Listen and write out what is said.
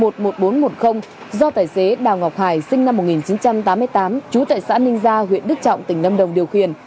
do tài xế đào ngọc hải sinh năm một nghìn chín trăm tám mươi tám chú tài sản ninh gia huyện đức trọng tỉnh lâm đồng điều khiển